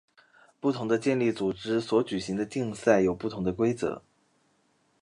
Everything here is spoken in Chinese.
不同的健力组织所举行的竞赛有不同的规则。